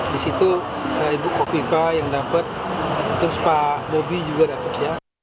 di situ pak ibu kopipa yang dapat terus pak mobi juga dapat